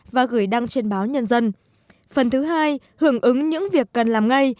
và gửi đăng trên báo nhân dân phần thứ hai hưởng ứng những việc cần làm ngay